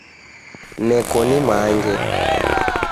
Neko nimange